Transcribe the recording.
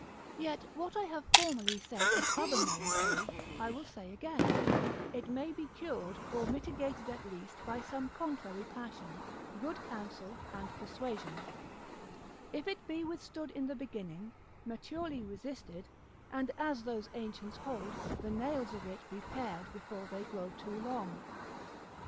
Yet what I have formerly said of other melancholy, I will say again, it may be cured or mitigated at least by some contrary passion, good counsel and persuasion, if it be withstood in the beginning, maturely resisted, and as those ancients hold, the nails of it be pared before they grow too long.